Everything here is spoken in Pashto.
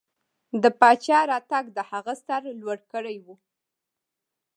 د پاچا راتګ د هغه سر لوړ کړی و.